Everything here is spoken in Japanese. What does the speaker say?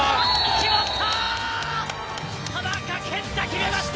決まった！